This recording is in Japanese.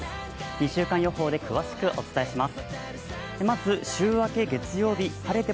２週間予報で詳しくお伝えします。